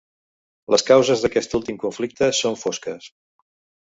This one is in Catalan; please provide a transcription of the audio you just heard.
Les causes d'aquest últim conflicte són fosques.